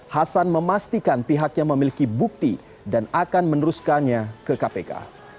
hasan memastikan pihaknya memiliki bukti dan akan meneruskannya ke kpk